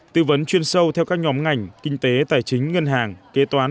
tư vấn chuyên sâu theo các nhóm ngành kinh tế tài chính ngân hàng kế toán